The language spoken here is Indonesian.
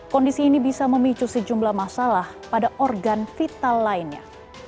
kondisi ini bisa memicu sejumlah masalah pada organ vital lainnya